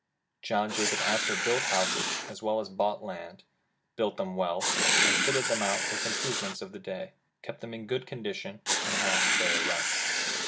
John Jacob Astor built houses as well as bought land, built them well, and fitted them out with the improvements of the day, kept them in good condition, and asked fair rents.